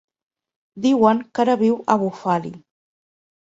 Diuen que ara viu a Bufali.